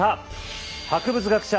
博物学者